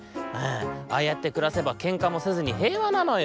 ああやってくらせばけんかもせずに平和なのよ。